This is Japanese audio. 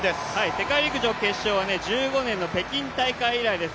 世界陸上決勝は１５年の北京大会以来です。